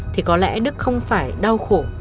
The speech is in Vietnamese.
thì có lẽ đức không phải đau khổ